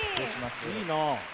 いいな。